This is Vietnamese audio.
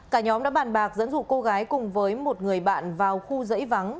cả nhóm đã bàn bạc dẫn dụ cô gái cùng với một người bạn vào khu dãy vắng